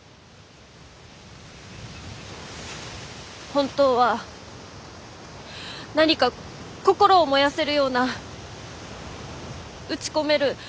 本当は何か心を燃やせるような打ち込める